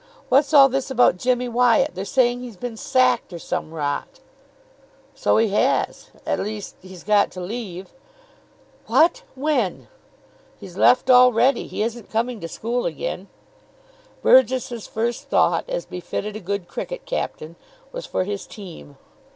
What's all this about Jimmy Wyatt? They're saying he's been sacked, or some rot." [Illustration: "WHAT'S ALL THIS ABOUT JIMMY WYATT?"] "So he has at least, he's got to leave." "What? When?" "He's left already. He isn't coming to school again." Burgess's first thought, as befitted a good cricket captain, was for his team.